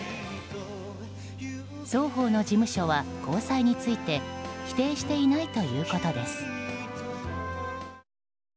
双方の事務所は交際について否定していないということです。